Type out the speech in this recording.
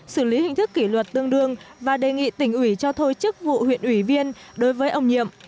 xử lý hình thức kỷ luật tương đương và đề nghị tỉnh ủy cho thôi chức vụ huyện ủy viên đối với ông nhiệm